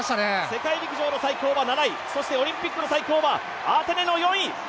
世界陸上の最高は７位、オリンピックの最高はアテネの４位。